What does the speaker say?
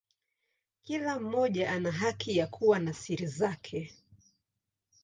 Kila mmoja ana haki ya kuwa na siri zake.